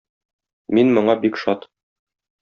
Мин моңа бик шат.